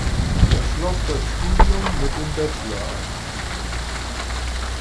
Er schloss das Studium mit dem Bachelor ab.